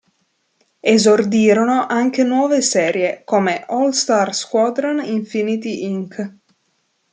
Esordirono anche nuove serie, come "All-Star Squadron, Infinity Inc.